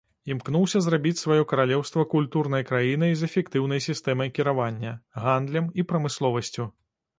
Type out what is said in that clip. Імкнуўся зрабіць сваё каралеўства культурнай краінай з эфектыўнай сістэмай кіравання, гандлем і прамысловасцю.